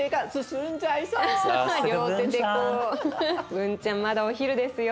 ブンちゃんまだお昼ですよ。